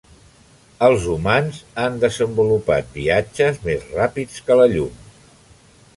Els humans han desenvolupat viatges més ràpids que la llum.